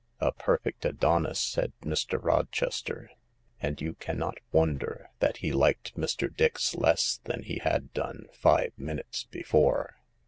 " A perfect Adonis," said Mr. Rochester. And you cannot wonder that he liked Mr. Dix less than he had done five minutes before.